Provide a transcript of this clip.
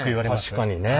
確かにね。